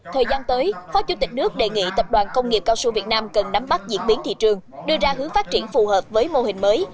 thời gian tới phó chủ tịch nước đề nghị tập đoàn công nghiệp cao su việt nam cần nắm bắt diễn biến thị trường đưa ra hướng phát triển phù hợp với mô hình mới